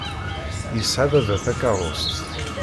Yesɛa baba takeṛṛust.